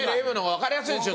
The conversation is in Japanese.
分かりやすいでしょ？